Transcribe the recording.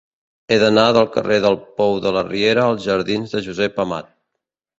He d'anar del carrer del Pou de la Riera als jardins de Josep Amat.